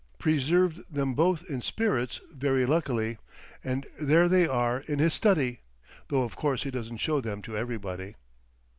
"Preserved them both in spirits very luckily, and there they are in his study, though of course he doesn't show them to everybody."